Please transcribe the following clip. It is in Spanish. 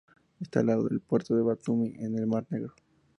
Está al lado del puerto de Batumi en el Mar Negro.